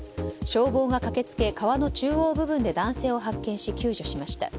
消防が駆けつけ、川の中央部分で男性を発見し救助しました。